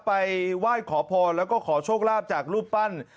ไปไหว้ขอพรแล้วก็ขอโชคลาภจากรูปปั้น